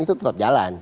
itu tetap jalan